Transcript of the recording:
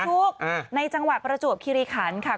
ทุกในจังหวัดประจวบคิริขันค่ะ